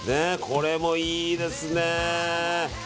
これもいいですね。